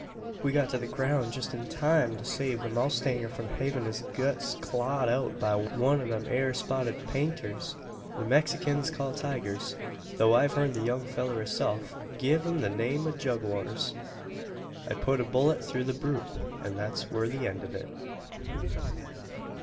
"We got to the groun' jest in time to save the mowstanger from hevin' his guts clawed out by one o' them ere spotted painters the Mexikins call tigers tho' I've heern the young fellur hisself gie 'em the name o' Jug wars. "I put a bullet through the brute; an thet wur the eend o' it.